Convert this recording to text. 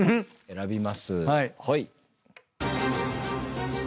選びます。